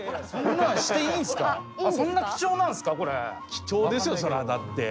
貴重ですよそらだって。